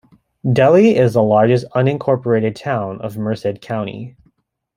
Delhi is the largest unincorporated town of Merced County.